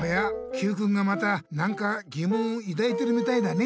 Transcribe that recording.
Ｑくんがまたなんかぎもんをいだいてるみたいだね。